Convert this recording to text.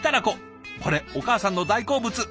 これお母さんの大好物。